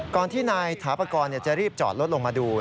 ก่อนที่นายถาปากกองจะรีบจอดลดลงมาดู